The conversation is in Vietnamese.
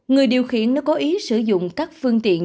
người điều khiển nó có ý sử dụng các phương tiện